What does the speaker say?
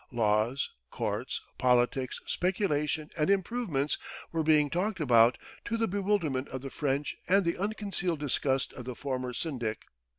Laws, courts, politics, speculation, and improvements were being talked about, to the bewilderment of the French and the unconcealed disgust of the former syndic.